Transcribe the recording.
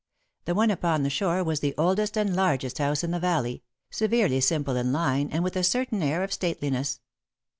The one upon the shore was the oldest and largest house in the valley, severely simple in line and with a certain air of stateliness.